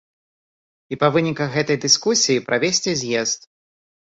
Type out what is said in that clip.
І па выніках гэтай дыскусіі правесці з'езд.